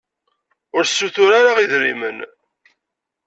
Ur ssutur ara idrimen.